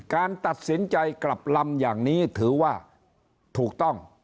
การตัดสินใจกลับลำอย่างนี้ถือว่าถูกต้อง